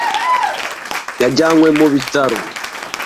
Yajyanywe mu bitaro.